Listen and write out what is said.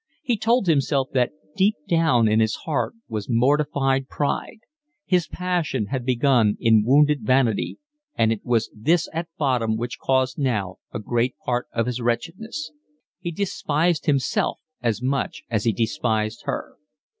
He told himself that deep down in his heart was mortified pride; his passion had begun in wounded vanity, and it was this at bottom which caused now a great part of his wretchedness. He despised himself as much as he despised her.